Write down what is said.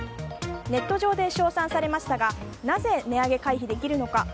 ネット上で称賛されましたがなぜ値上げ回避できるのか？